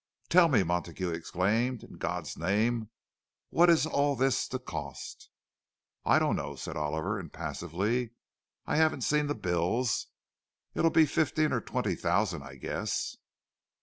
"Tell me!" Montague exclaimed. "In God's name, what is all this to cost?" "I don't know," said Oliver, impassively. "I haven't seen the bills. It'll be fifteen or twenty thousand, I guess."